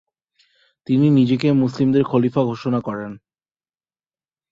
তিনি নিজেকে মুসলিমদের খলিফা ঘোষণা করেন।